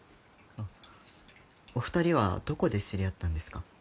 お二人はどこで知り合ったんですか？